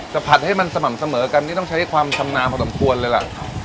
ผัดให้มันสม่ำเสมอกันนี่ต้องใช้ความชำนาญพอสมควรเลยล่ะ